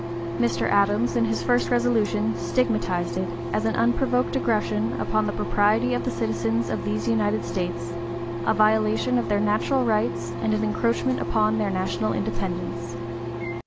Mr. Adams, in his first resolution, stigmatized it "as an unprovoked aggression upon the property of the citizens of these United States, a violation of their neutral rights, and an encroachment upon their national independence."